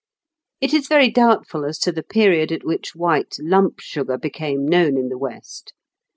It is very doubtful as to the period at which white lump sugar became known in the West.